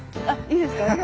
あっいいですか？